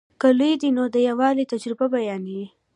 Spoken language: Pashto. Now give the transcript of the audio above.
که لوی دی نو د لویوالي تجربه بیانوي.